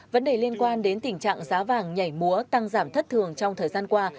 vấn đề liên quan đến tình trạng giá vàng nhảy múa tăng giảm thất thường trong thời gian qua